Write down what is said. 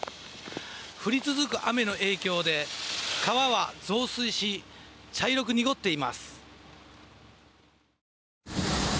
降り続く雨の影響で、川は増水し茶色く濁っています。